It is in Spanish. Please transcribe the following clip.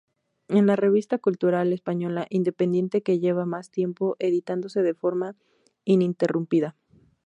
Es la revista cultural española independiente que lleva más tiempo editándose de forma ininterrumpida.